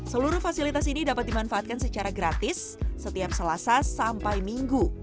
seluruh fasilitas ini dapat dimanfaatkan secara gratis setiap selasa sampai minggu